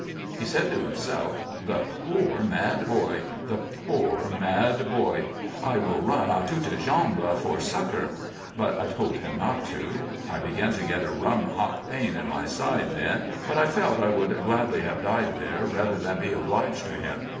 "He said to himself, 'The poor mad boy the poor mad boy I will run à toutes jambes for succor'; but I told him not to. I began to get a rum hot pain in my side then, but I felt I would gladly have died there rather than be obliged to him.